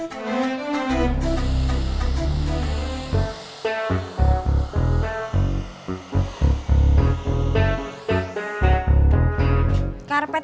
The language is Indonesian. kamu mau ngelipet